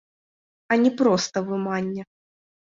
А не проста выманне!